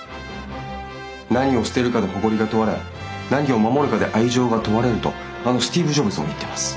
「何を捨てるかで誇りが問われ何を守るかで愛情が問われる」とあのスティーブ・ジョブズも言ってます。